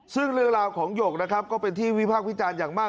ซึ่งเรื่องราวของหยกนะครับก็เป็นที่วิพากษ์วิจารณ์อย่างมาก